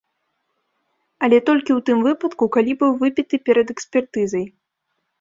Але толькі у тым выпадку, калі быў выпіты перад экспертызай.